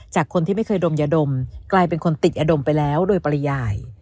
จากคนที่ไม่เคยดมยาดมกลายเป็นคนติดยาดมไปแล้วโดยปริยาย